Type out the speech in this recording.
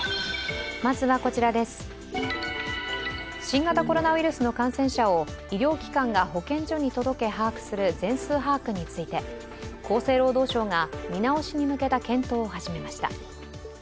新型コロナウイルスの感染者を医療機関が保健所に届け把握する全数把握について厚生労働省が見直しに向けた検討を始めました。